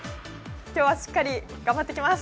きょうはしっかり頑張ってきます。